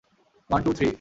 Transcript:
One, two, three.